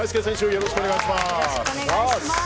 よろしくお願いします。